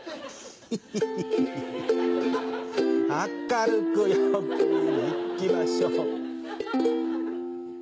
明るく陽気に、いきましょう。